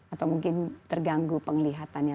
atau mungkin terganggu penglihatannya